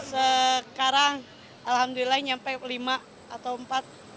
sekarang alhamdulillah nyampe lima atau empat